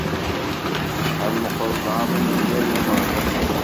Acḥal meqqret lɛaḍima-k, a Ameɣlal!